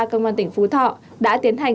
công an tỉnh phú thọ đã tiến hành